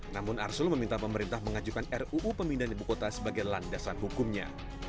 namun arsul meminta pemerintah mengajukan ruu pemindahan ibu kota sebagai landasan hukumnya